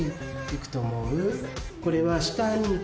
これは。